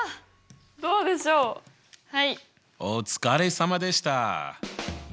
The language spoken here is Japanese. お疲れさまでした。